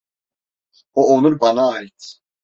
O onur bana ait.